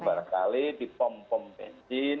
beberapa kali di pom pom benzin